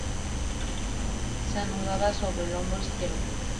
Se anudada sobre el hombro izquierdo.